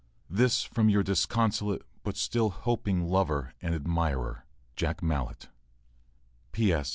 This from your disconsolate but still hoping lover and admirer, JACK MALLETT, P. S.